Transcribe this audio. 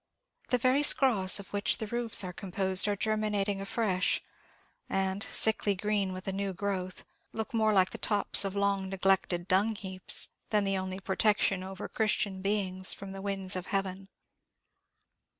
The very scraughs of which the roofs are composed are germinating afresh, and, sickly green with a new growth, look more like the tops of long neglected dungheaps, than the only protection over Christian beings from the winds of heaven.